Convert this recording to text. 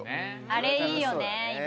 あれいいよね